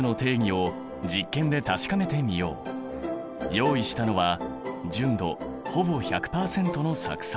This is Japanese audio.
用意したのは純度ほぼ１００％の酢酸。